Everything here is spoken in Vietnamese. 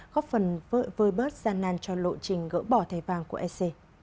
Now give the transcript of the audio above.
góp phần vơi bớt gian nàn cho lộ trình gỡ bỏ thầy vàng của sc